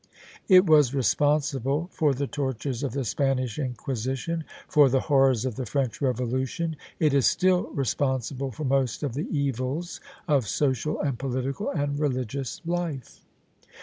It was responsible for the tortures of the Spanish Inquisition, for the horrors of the French Revolution: it is still responsible for most of the evils of social and political and religious life.